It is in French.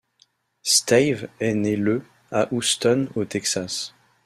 Stayve est né le à Houston, au Texas.